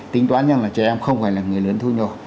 tính toán rằng là trẻ em không phải là người lớn thu nhồi